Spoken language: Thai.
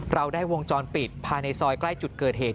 เราได้วงจรปิดภายในซอยใกล้จุดเกิดเหตุ